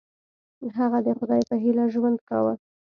هغه د خدای په هیله ژوند کاوه.